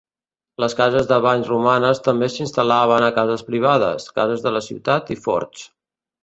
Les cases de banys romanes també s'instal·laven a cases privades, cases de la ciutat i forts.